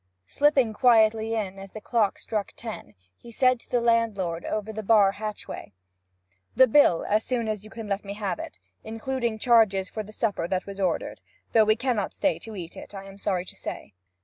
Slipping quietly in as the clock struck ten, he said to the landlord, over the bar hatchway 'The bill as soon as you can let me have it, including charges for the supper that was ordered, though we cannot stay to eat it, I am sorry to say.'